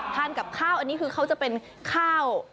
กับข้าวอันนี้คือเขาจะเป็นข้าว